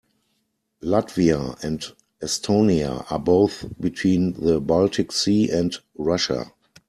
Latvia and Estonia are both between the Baltic Sea and Russia.